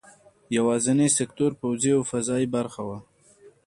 یوازینی سکتور پوځي او فضايي برخه وه.